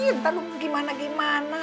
entah lu gimana gimana